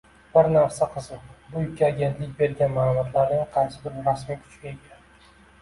Bir narsa qiziq: bu ikki agentlik bergan ma'lumotlarning qaysi biri rasmiy kuchga ega?